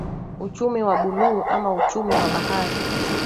Uchumi wa Buluu ama uchumi wa bahari